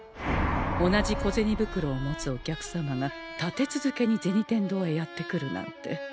同じ小銭袋を持つお客様が立て続けに銭天堂へやって来るなんて